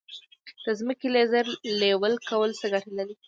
د ځمکې لیزر لیول کول څه ګټه لري؟